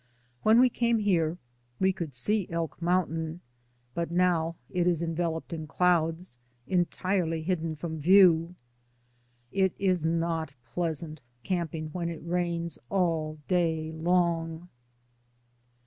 When we came here we could see Elk Moun tain, but now it is enveloped in clouds, en tirely hidden from view. It is not pleasant camping when it rains all day long.